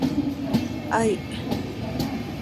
¡Aih!